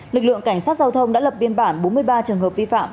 lực lượng cảnh sát giao thông đã lập biên bản bốn mươi ba trường hợp vi phạm